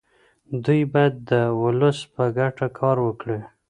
دوی باید د ولس په ګټه کار وکړي.